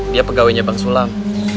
dia pegawainya bang sulam